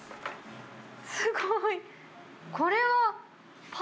すごい。